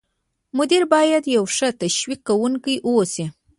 مدیر باید یو ښه تشویق کوونکی واوسي.